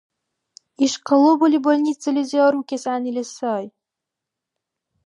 Иш къалабали больницализи арукес гӀягӀнили сай